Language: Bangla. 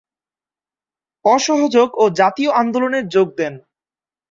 অসহযোগ ও জাতীয় আন্দোলনের যোগ দেন।